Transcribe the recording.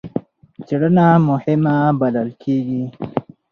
څېړنه مهمه بلل کېږي.